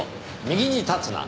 「右に立つな」。